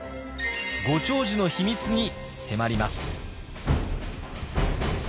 ご長寿の秘密に迫ります。